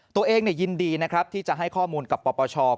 ตัวเองยินดีนะครับที่จะให้ข้อมูลกับปปช